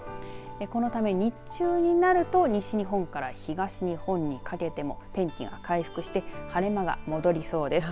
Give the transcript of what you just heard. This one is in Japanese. このため日中になると西日本から東日本にかけても天気が回復して晴れ間が戻りそうです。